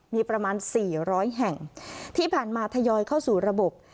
มีประมาณ๔๐๐แห่งที่ผ่านมาทยอยเข้าสู่ระบบ